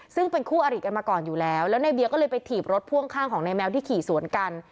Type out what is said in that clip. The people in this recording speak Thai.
ซึ่งเป็นคู่อริกันมาก่อนอยู่แล้วแล้วในเบียก็เลยไปถีบรถพ่วงข้างของนายแมวที่ขี่สวนกัน